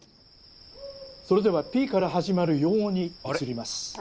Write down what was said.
それでは「Ｐ」から始まる用語に移ります。